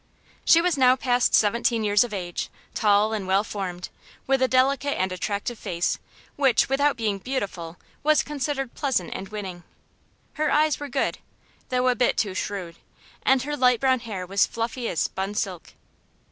She was now past seventeen years of age, tall and well formed, with a delicate and attractive face which, without being beautiful, was considered pleasant and winning. Her eyes were good, though a bit too shrewd, and her light brown hair was fluffy as spun silk.